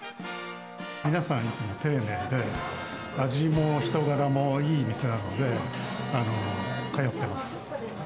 皆さん、いつも丁寧で、味も人柄もいい店なので、通ってます。